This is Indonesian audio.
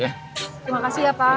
terima kasih ya pak